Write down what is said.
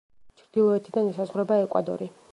ჩრდილოეთიდან ესაზღვრება ეკვადორი.